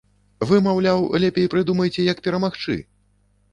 Вы, маўляў, лепей прыдумайце, як перамагчы!